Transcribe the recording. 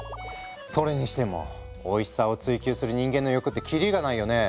それにしてもおいしさを追求する人間の欲って切りがないよね。